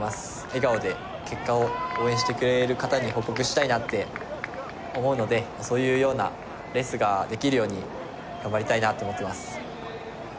笑顔で結果を応援してくれる方に報告したいなって思うのでそういうようなレースができるように頑張りたいなと思ってます。